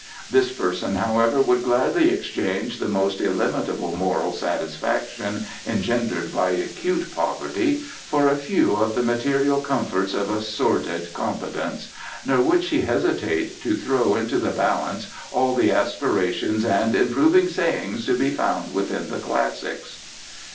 This person, however, would gladly exchange the most illimitable moral satisfaction engendered by acute poverty for a few of the material comforts of a sordid competence, nor would she hesitate to throw into the balance all the aspirations and improving sayings to be found within the Classics."